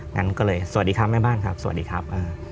งั้นก็เลยสวัสดีครับแม่บ้านครับสวัสดีครับ